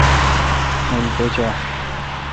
موُل پچہ۔